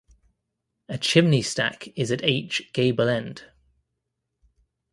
A chimney stack is at each gable end.